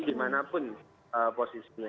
di mana pun posisinya